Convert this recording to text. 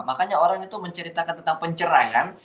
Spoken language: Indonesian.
makanya orang itu menceritakan tentang penceraian